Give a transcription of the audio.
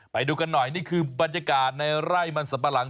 ไปดูกันหน่อยนี่คือบรรยากาศในไร่มันสัมปะหลัง